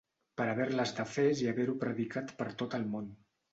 Per haver-les defès i haver-ho predicat per tot el món.